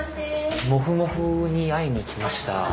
もふもふに会いに来ました。